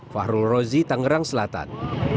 fahrul rozi tangerang selatan